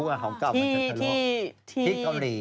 ที่เกาหลี